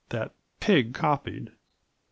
that jpig copied ?